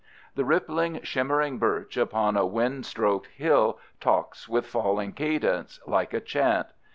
The rippling, shimmering birch upon a wind stroked hill talks with falling cadence, like a chant.